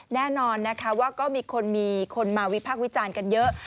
แน่นอนนะคะว่าก็มีคนมีคนมาวิพากษ์วิจารณ์กันเยอะ